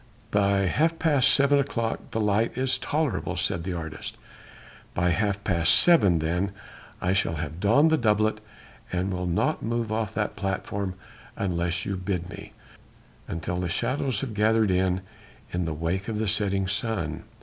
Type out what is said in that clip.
"By half past seven o'clock the light is tolerable," said the artist. "By half past seven then I shall have donned the doublet, and will not move off that platform unless you bid me, until the shadows have gathered in, in the wake of the setting sun.